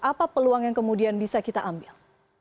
apa peluang yang kemudian bisa kita ambil